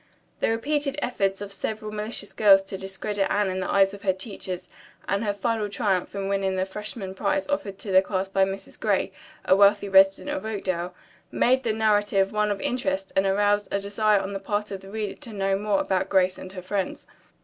The repeated efforts of several malicious girls to discredit Anne in the eyes of her teachers, and her final triumph in winning the freshman prize offered to the class by Mrs. Gray, a wealthy resident of Oakdale, made the narrative one of interest and aroused a desire on the part of the reader to know more of Grace Harlowe and her friends.